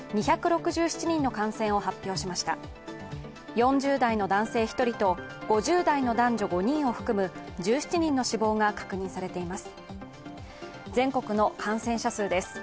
４０代の男性１人と５０代の男女５人を含む１７人の死亡が確認されています。